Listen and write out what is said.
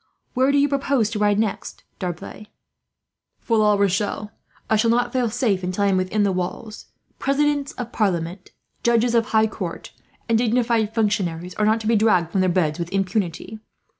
"Where do you propose to ride next, D'Arblay?" "For La Rochelle. I shall not feel safe until I am within the walls. Presidents of Parliament, judges of High Court, and dignified functionaries are not to be dragged from their beds with impunity.